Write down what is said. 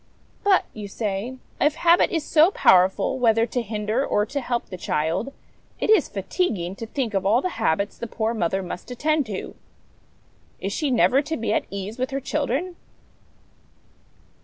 ' But/ you say, c if habit is so powerful, whether to hinder or to help the child, it is fatiguing to think of all the habits the poor mother must attend to. Is she never to be at ease with her children